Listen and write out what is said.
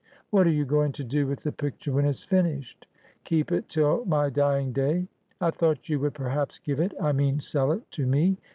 ' What are you going to do with the picture when it's finished ?'' Keep it till my dying day.' 'I thought you would perhaps give it — I mean sell it — to me.